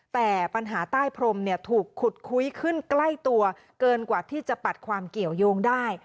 แต่ปัญหาใต้พรมถูกขุดคุ้ยขึ้นใกล้ตัวเกินกว่าที่จะปัดความเกี่ยวยงได้